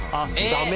ダメ